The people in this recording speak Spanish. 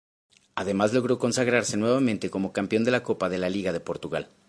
Además logró consagrarse nuevamente como campeón de la Copa de la Liga de Portugal.